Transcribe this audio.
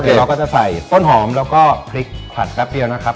เดี๋ยวเราก็จะใส่ต้นหอมแล้วก็พริกผัดแป๊บเดียวนะครับ